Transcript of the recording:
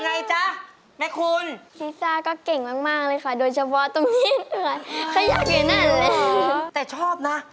หากวันนี้ถ้าไม่มีโจทยืน